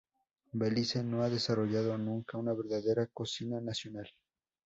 Belice no ha desarrollado nunca una verdadera cocina nacional.